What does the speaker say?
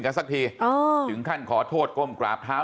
สักทีถึงขั้นขอโทษก้มกราบเท้า